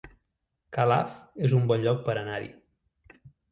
Calaf es un bon lloc per anar-hi